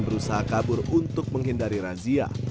berusaha kabur untuk menghindari razia